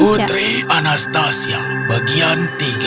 utri anastasia bagian tiga